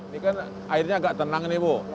ini kan airnya agak tenang ini bu